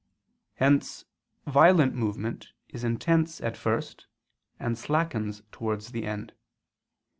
Hence violent movement is intense at first, and slackens towards the end.